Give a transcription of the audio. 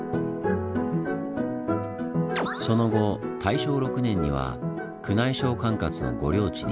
その後大正６年には宮内省管轄の御料地に。